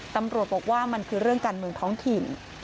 ตำรวจบอกว่ามันคือเรื่องการเมืองท้องถิ่น